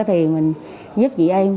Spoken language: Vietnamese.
thì mình giúp chị em